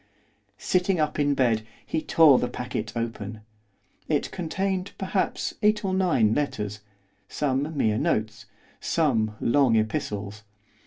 Sitting up in bed he tore the packet open. It contained, perhaps, eight or nine letters, some mere notes, some long epistles.